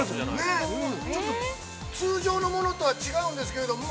◆ちょっと通常のものとは違うんですけれども。